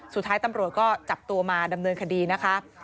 สุดท้ายตำรวจก็จับตัวมาดำเนินคดีนะคะ